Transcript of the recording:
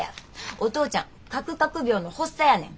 お父ちゃん書く書く病の発作やねん。